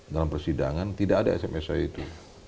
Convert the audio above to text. dalam persidangan tidak ada sms saya itu